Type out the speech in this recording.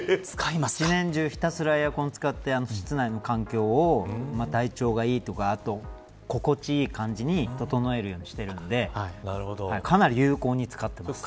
年中ひたすらエアコン使って室内の環境、体調がいいとか心地いい感じに整えるようにしているのでかなり有効に使っています。